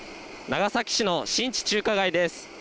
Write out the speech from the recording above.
長崎市の新地中華街です。